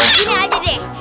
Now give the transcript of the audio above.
sini aja deh